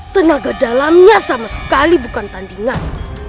tenaga dalamnya sama sekali bukan tandingan